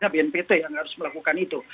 bnpt yang harus melakukan itu